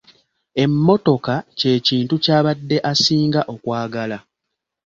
Emmotoka kye kintu ky'abadde asinga okwagala.